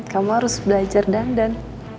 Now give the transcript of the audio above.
kamu harus belajar dandan